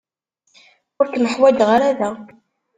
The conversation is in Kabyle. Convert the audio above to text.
Ur kem-ḥwajeɣ ara da.